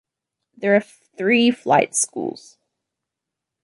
There are three flight schools.